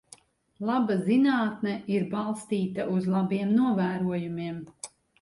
Laba zinātne ir balstīta uz labiem novērojumiem.